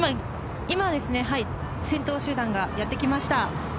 今、先頭集団がやってきました。